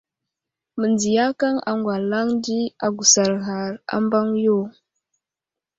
Məndziyakaŋ aŋgwalaŋ di agusar ghar a mbaŋ yo.